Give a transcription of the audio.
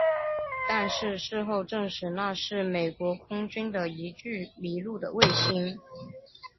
但是事后证实那是美国空军的一具迷路的卫星。